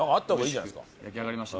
焼き上がりました。